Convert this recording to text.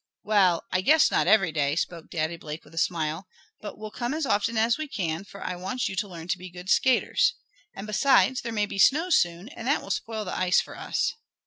"Well, I guess not every day," spoke Daddy Blake with a smile. "But we'll come as often as we can, for I want you to learn to be good skaters. And besides, there may be snow soon, and that will spoil the ice for us."